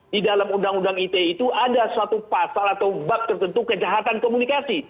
di dalam undang undang ite itu ada suatu pasal atau bak tertentu kejahatan komunikasi